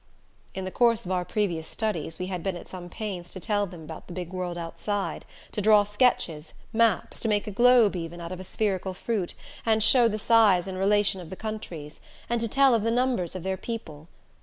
In the course of our previous studies we had been at some pains to tell them about the big world outside, to draw sketches, maps, to make a globe, even, out of a spherical fruit, and show the size and relation of the countries, and to tell of the numbers of their people.